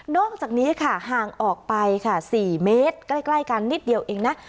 อกจากนี้ค่ะห่างออกไปค่ะ๔เมตรใกล้กันนิดเดียวเองนะ